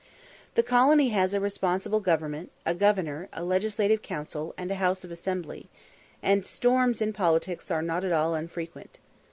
The colony has "responsible government," a Governor, a Legislative Council, and a House of Assembly, and storms in politics are not at all unfrequent.